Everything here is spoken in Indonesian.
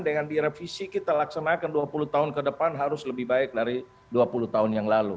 dengan direvisi kita laksanakan dua puluh tahun ke depan harus lebih baik dari dua puluh tahun yang lalu